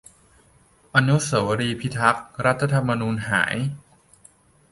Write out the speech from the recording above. อนุสาวรีย์พิทักษ์รัฐธรรมนูญหาย